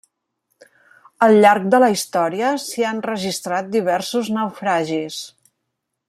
Al llarg de la història s'hi han registrat diversos naufragis.